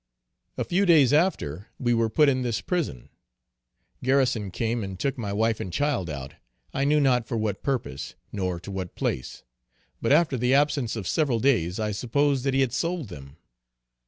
A few days after we were put in this prison, Garrison came and took my wife and child out, I knew not for what purpose, nor to what place, but after the absence of several days I supposed that he had sold them.